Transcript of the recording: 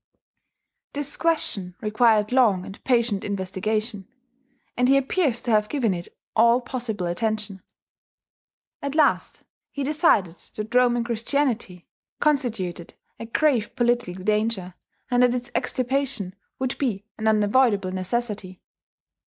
This question required long and patient investigation; and he appears to have given it all possible attention. At last he decided that Roman Christianity constituted a grave political danger and that its extirpation would be an unavoidable necessity.